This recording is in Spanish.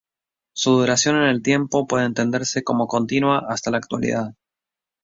Su duración en el tiempo puede entenderse como continua hasta la actualidad.